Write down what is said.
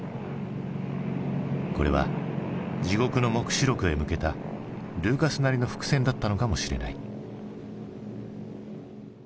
これは「地獄の黙示録」へ向けたルーカスなりの伏線だったのかもしれない。